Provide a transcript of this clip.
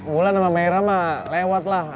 mulan sama merama lewat lah